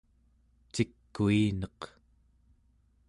cikuineq